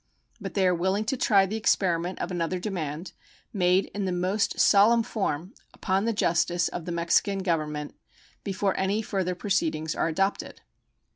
But they are willing to try the experiment of another demand, made in the most solemn form, upon the justice of the Mexican Government before any further proceedings are adopted.